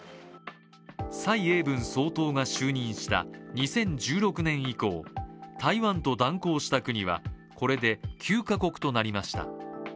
蔡英文総統が就任した２０１６年以降、台湾と断交した国はこれで９か国となりました。